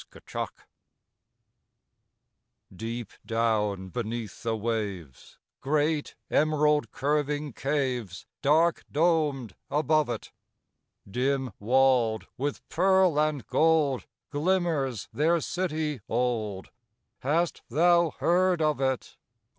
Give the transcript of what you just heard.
THE NIXIES Deep down, beneath the waves, Great emerald curving caves Dark domed above it, Dim walled with pearl and gold Glimmers their city old Hast thou heard of it?